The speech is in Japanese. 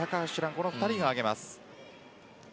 この２人がいます。